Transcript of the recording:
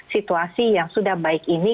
situasi yang sudah baik ini